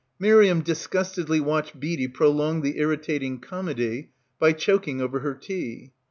Miriam digustedly watched Beadie prolong the irritating comedy by choking over her tea.